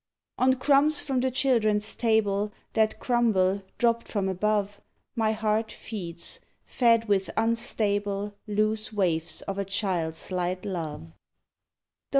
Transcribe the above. On crumbs from the children's table That crumble, dropped from above, My heart feeds, fed with unstable Loose waifs of a child's light love.